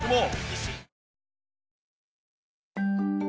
もう。